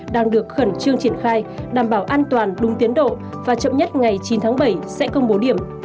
đang được khẩn trương triển khai đảm bảo an toàn đúng tiến độ và chậm nhất ngày chín tháng bảy sẽ công bố điểm